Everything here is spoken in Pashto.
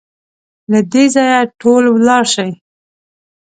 له دې ځايه ټول ولاړ شئ!